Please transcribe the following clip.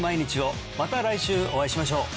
また来週お会いしましょう！